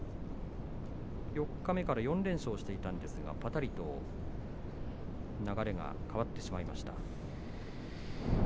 四日目から４連勝していましたがぱたりと流れが変わってしまいました。